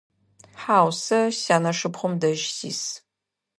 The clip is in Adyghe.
Хьау, сэ сянэшыпхъум дэжь сис.